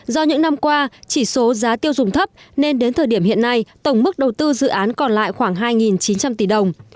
do những năm qua chỉ số giá tiêu dùng thấp nên đến thời điểm hiện nay tổng mức đầu tư dự án còn lại khoảng hai chín trăm linh tỷ đồng